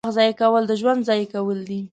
• د وخت ضایع کول د ژوند ضایع کول دي.